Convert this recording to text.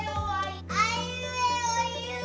あいうえおいうえ